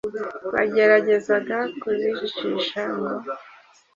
bageragezaga kuzicisha ngo